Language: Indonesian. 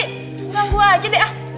enggak gua aja deh ah